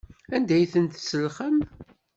Anda ay tent-tselxem?